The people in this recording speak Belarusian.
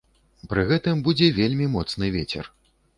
Пры гэтым будзе вельмі моцны вецер.